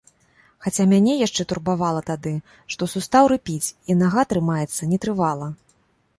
Хаця мяне яшчэ турбавала тады, што сустаў рыпіць, і нага трымаецца нетрывала.